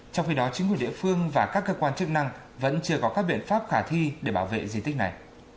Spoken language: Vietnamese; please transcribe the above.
trong khi đó chính quyền địa phương và các cơ quan chức năng vẫn chưa có các biện pháp khả thi để bảo vệ di tích này